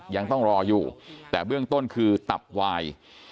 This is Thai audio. ยังต้องรออยู่แต่เบื้องต้นคือตับวาย